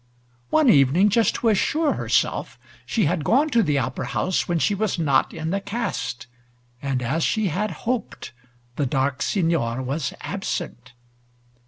One evening, just to assure herself, she had gone to the Opera House when she was not in the cast, and, as she had hoped, the dark Signor was absent.